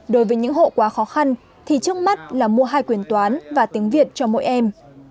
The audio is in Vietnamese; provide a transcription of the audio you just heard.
đối với những hộ quá khó khăn thì trước mắt là mua hai quyền toán và tiếng việt cho mỗi em